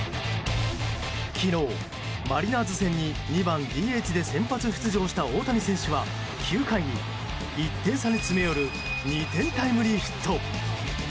昨日、マリナーズ戦に２番ＤＨで先発出場した大谷選手は９回に１点差に詰め寄る２点タイムリーヒット。